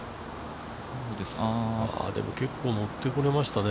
でも結構持ってこれましたね。